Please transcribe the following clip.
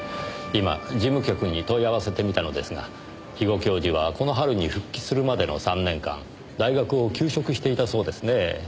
今事務局に問い合わせてみたのですが肥後教授はこの春に復帰するまでの３年間大学を休職していたそうですねぇ。